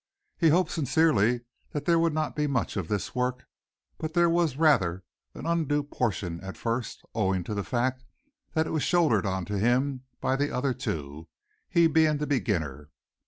He hoped sincerely there would not be much of this work, but there was rather an undue proportion at first owing to the fact that it was shouldered on to him by the other two he being the beginner.